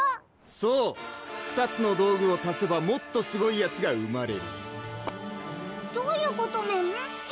そう２つの道具を足せばモットすごいヤツが生まれるどういうことメン？